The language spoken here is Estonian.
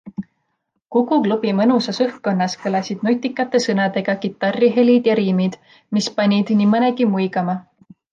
Kuku klubi mõnusas õhkkonnas kõlasid nutikate sõnadega kitarrihelid ja riimid, mis panid nii mõnegi muigama.